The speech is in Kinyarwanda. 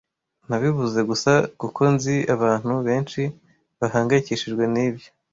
Nabivuze gusa kuko nzi abantu benshi bahangayikishijwe nibyo.